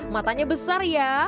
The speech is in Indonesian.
matanya besar ya